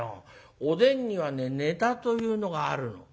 おでんにはねネタというのがあるの。